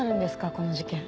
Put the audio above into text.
この事件。